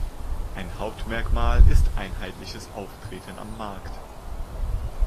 Ein Hauptmerkmal ist einheitliches Auftreten am Markt.